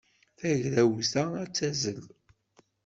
Tagrawt-a ad tazzel.